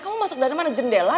kamu masuk dari mana jendela